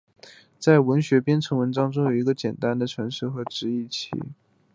在文学编程文章中有一个简单的程式和一个直译器。